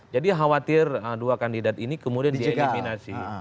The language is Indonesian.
jadi khawatir dua kandidat ini kemudian dieliminasi